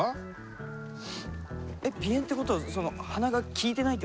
えっ鼻炎ってことはその鼻が利いてないってこと？